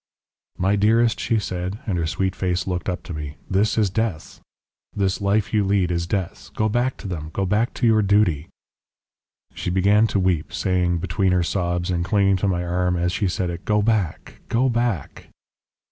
"'My dearest,' she said, and her sweet face looked up to me, 'this is Death. This life you lead is Death. Go back to them, go back to your duty .' "She began to weep, saying, between her sobs, and clinging to my arm as she said it, 'Go back Go back.'